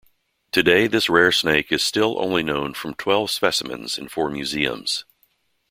Today this rare snake is still only known from twelve specimens in four museums.